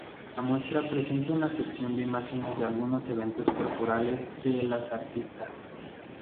La muestra presenta una selección de imágenes de algunos eventos corporales de las artistas.